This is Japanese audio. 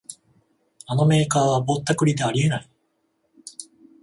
あのメーカーはぼったくりであり得ない